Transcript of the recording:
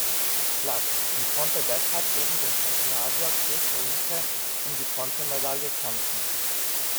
Platz und konnte deshalb gegen den Kanadier Chris Rinke um die Bronzemedaille kämpfen.